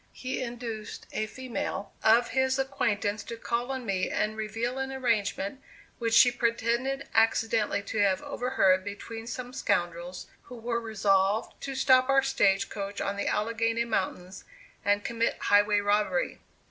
He induced a female of his acquaintance to call on me and reveal an arrangement which she pretended accidentally to have overheard between some scoundrels, who were resolved to stop our stage coach on the Alleghany mountains and commit highway robbery.